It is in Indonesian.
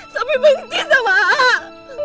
sopi benci sama a'ah